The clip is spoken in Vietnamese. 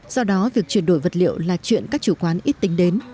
do đó việc chuyển đổi vật liệu là chuyện các chủ quán ít tính đến